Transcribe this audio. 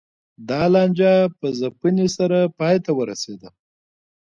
دا لانجه په ځپنې سره پای ته ورسېده